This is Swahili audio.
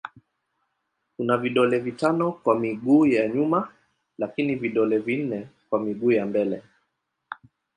Kuna vidole vitano kwa miguu ya nyuma lakini vidole vinne kwa miguu ya mbele.